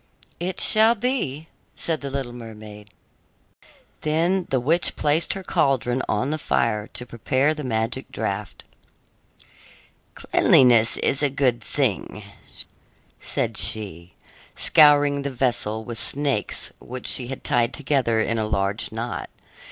"It shall be," said the little mermaid. Then the witch placed her caldron on the fire, to prepare the magic draft. "Cleanliness is a good thing," said she, scouring the vessel with snakes which she had tied together in a large knot.